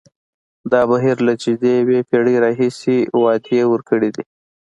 دا بهیر له نژدې یوه پېړۍ راهیسې وعدې ورکړې دي.